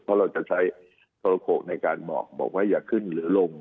เพราะเราจะใช้โทรโกะในการเหมาะบอกว่าอย่าขึ้นหรือลง